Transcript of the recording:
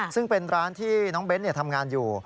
ซึ่งเป็นร้านที่น้องเบ้นทำงานอยู่